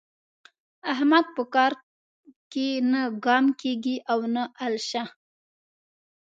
احمد په کار کې نه ګام کېږي او نه الشه.